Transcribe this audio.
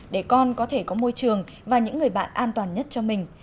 để con có thể có môi trường và những người bạn an toàn nhất cho mình